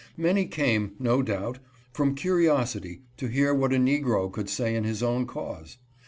Many came, no doubt from curiosity to hear what a negro could say in his own cause.